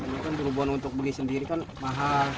ini kan perubahan untuk beli sendiri kan mahal